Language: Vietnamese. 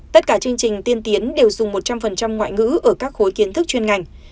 tất cả chương trình tiên tiến đều dùng một trăm linh ngoại ngữ ở các khối kiến thức chuyên ngành